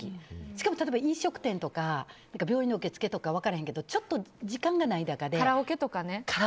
しかも例えば飲食店とか病院の受付とか分からないけど時間がない中でカラオケとか。